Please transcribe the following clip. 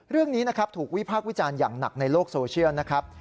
เรื่องนี้นะครับถูกวิพากษ์วิจารณ์อย่างหนักในโลกโซเชียลนะครับ